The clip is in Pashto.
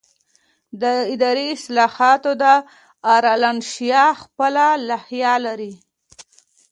د اداري اصلاحاتو دارالانشا خپله لایحه لري.